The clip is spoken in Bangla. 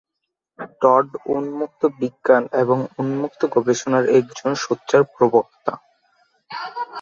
টড উন্মুক্ত বিজ্ঞান এবং উন্মুক্ত গবেষণার একজন সোচ্চার প্রবক্তা।